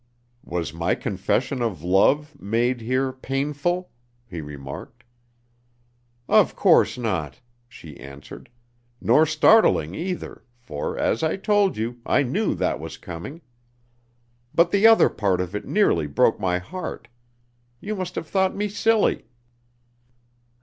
"Was my confession of love, made here, painful?" he remarked. "Of course not," she answered, "nor startling, either, for, as I told you, I knew that was coming. But the other part of it nearly broke my heart. You must have thought me silly!"